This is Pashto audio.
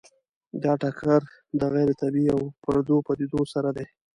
دا ټکر د غیر طبیعي او پردو پدیدو سره دی.